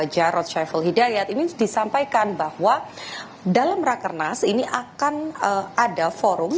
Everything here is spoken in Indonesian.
jarod saiful hidayat ini disampaikan bahwa dalam rakernas ini akan ada forum